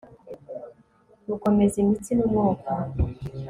gukomeza imitsi n'umwuka